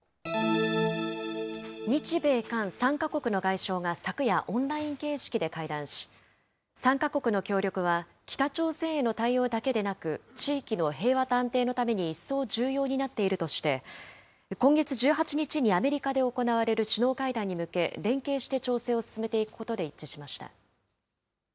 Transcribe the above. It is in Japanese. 日米韓３か国の外相が昨夜、オンライン形式で会談し、３か国の協力は、北朝鮮への対応だけでなく、地域の平和と安定のために一層重要になっているとして、今月１８日にアメリカで行われる首脳会談に向け、連携して調整を進めていくことで一致しました。